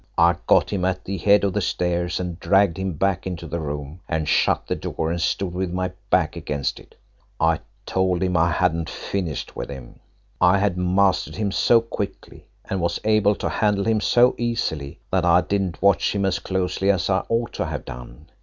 I got him at the head of the stairs and dragged him back into the room and shut the door and stood with my back against it. I told him I hadn't finished with him. I had mastered him so quickly, and was able to handle him so easily, that I didn't watch him as closely as I ought to have done.